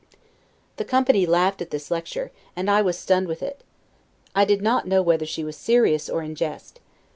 ] The company laughed at this lecture, and I was stunned with it. I did not know whether she was serious or in jest.